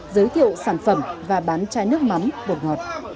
giới thiệu sản phẩm và bán chai nước mắm bột ngọt